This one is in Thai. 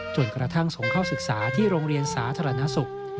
จนกระทั่งส่งเข้าศึกษาที่โรงเรียนสาธารณสุข